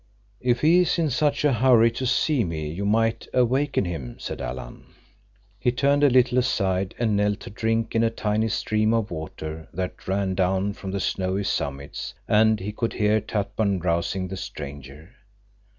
"If he is in such a hurry to see me, you might awaken him," said Alan. He turned a little aside and knelt to drink at a tiny stream of water that ran down from the snowy summits, and he could hear Tatpan rousing the stranger.